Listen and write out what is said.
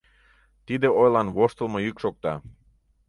Тиде ойлан воштылмо йӱк шокта.